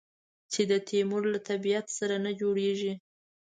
چې د تیمور له طبیعت سره نه جوړېږي.